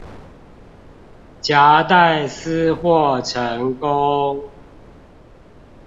夾帶私貨成功